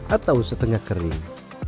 atau setengah kering